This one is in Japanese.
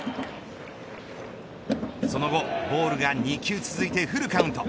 その後ボールが２球続いてフルカウント。